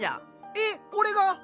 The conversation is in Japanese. えっこれが？